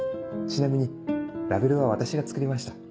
ちなみにラベルは私が作りました。